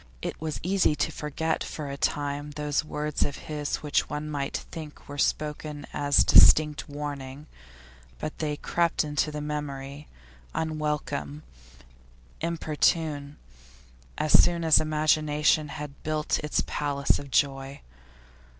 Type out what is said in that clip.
It was easy to forget for a time those words of his which one might think were spoken as distinct warning; but they crept into the memory, unwelcome, importunate, as soon as imagination had built its palace of joy.